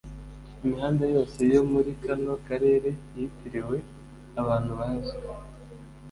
imihanda yose yo muri kano karere yitiriwe abantu bazwi